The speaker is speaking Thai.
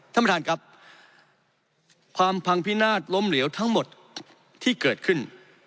ท่านประธานครับความพังพินาศล้มเหลวทั้งหมดที่เกิดขึ้น